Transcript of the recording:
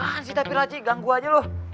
apaan sih tapi raci ganggu aja loh